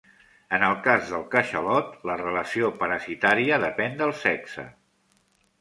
En el cas del catxalot, la relació parasitària depèn del sexe.